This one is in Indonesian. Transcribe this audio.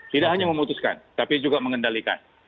tidak hanya memutuskan tapi juga mengendalikan